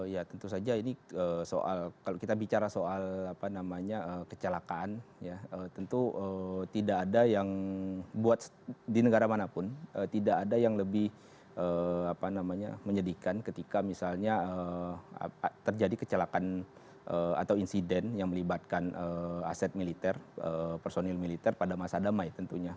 ya tentu saja ini soal kalau kita bicara soal kecelakaan tentu tidak ada yang di negara manapun tidak ada yang lebih menyedihkan ketika misalnya terjadi kecelakaan atau insiden yang melibatkan aset militer personil militer pada masa damai tentunya